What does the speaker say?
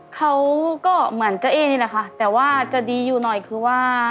เขาก็เหมือนเจ้าเอ๊นี่แหละค่ะแต่ว่าจะดีอยู่หน่อยคือว่า